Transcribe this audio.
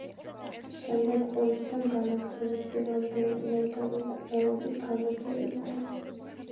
შემდეგ პოლიციამ განაგრძო მისი რამდენიმე მომდევნო მკვლელობის გამოძიება.